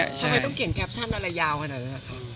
ทำไมต้องเก่งแกปชั่นอะไรยาวขนาดนี้ครับ